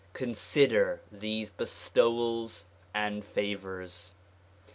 Consider these bestowals and favors.